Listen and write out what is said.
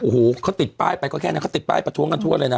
โอ้โหเขาติดป้ายไปก็แค่นั้นเขาติดป้ายประท้วงกันทั่วเลยนะ